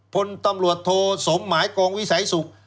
พลตำรวจโทสมหมายกองวิสัยสุข